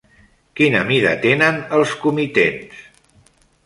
Quina mida tenen els comitents?